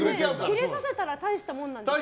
キレさせたら大したもんなんですよね？